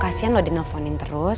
kasian lo dineleponin terus